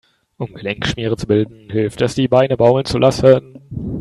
Um Gelenkschmiere zu bilden, hilft es, die Beine baumeln zu lassen.